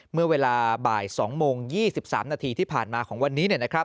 เมื่อเวลาบ่าย๒โมง๒๓นาทีที่ผ่านมาของวันนี้